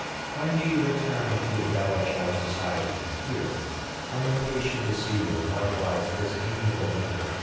When do you return to embellish our society here? I am impatient to see you, and likewise this amiable man.